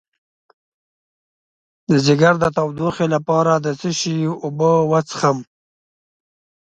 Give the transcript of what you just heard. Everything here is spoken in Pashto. د ځیګر د تودوخې لپاره د څه شي اوبه وڅښم؟